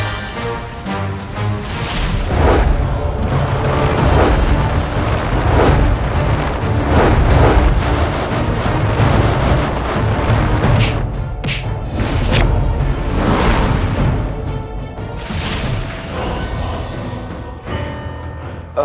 jangan kaburkan diri kita